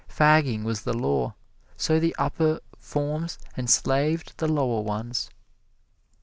Fagging was the law; so the upper forms enslaved the lower ones.